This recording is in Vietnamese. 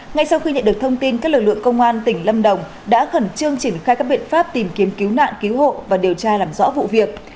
ngay sau khi nhận được thông tin các lực lượng công an tỉnh lâm đồng đã khẩn trương triển khai các biện pháp tìm kiếm cứu nạn cứu hộ và điều tra làm rõ vụ việc